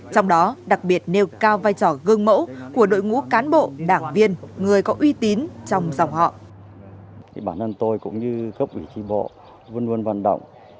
trong đó đặc biệt nêu cao vai trò gương mẫu của đội ngũ cán bộ đảng viên người có uy tín trong dòng họ